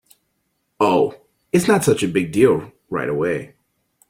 Oh, it’s not such a big deal right away.